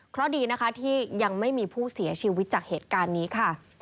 เพราะดีนะคะที่ยังไม่มีผู้เสียชีวิตจากเหตุการณ์นี้ค่ะ